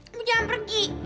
kamu jangan pergi